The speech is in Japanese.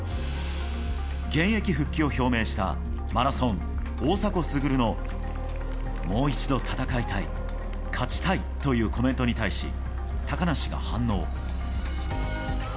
現役復帰を表明したマラソン、大迫傑の「もう一度闘いたい、勝ちたい」というコメントに対し高梨が反応。